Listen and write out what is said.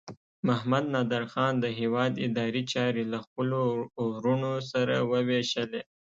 محمد نادر خان د هیواد اداري چارې له خپلو وروڼو سره وویشلې.